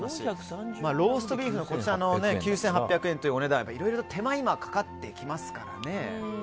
ローストビーフの９８００円というお値段はいろいろと手間暇かかってきますからね。